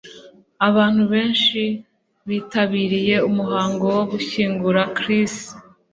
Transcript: Abantu benshi bitabiriye umuhango wo gushyingura Chris